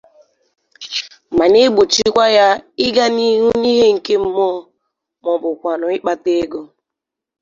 ma na-egbochikwa ya ịga n'ihu n'ihe nke mmụọ maọbụkwanụ ịkpata ego.